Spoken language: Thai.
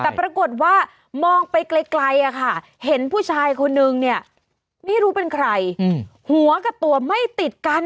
แต่ปรากฏว่ามองไปไกลเห็นผู้ชายคนนึงเนี่ยไม่รู้เป็นใครหัวกับตัวไม่ติดกัน